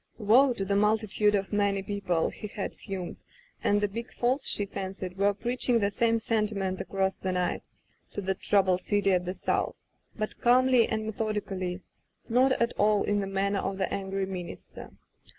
" Woe to the multitude of many people ^^^ he had fumed, and the big Falls, she fancied, were preaching the same sentiment across the night to that troubled city at the south, but calmly and methodically, not at all in the manner of the angry minister.